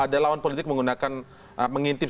ada lawan politik menggunakan mengintip